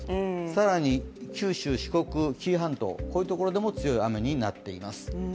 更に九州、四国、紀伊半島でも強い雨になっています。